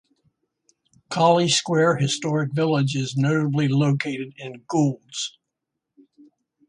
Cauley Square Historic Village is notably located in Goulds.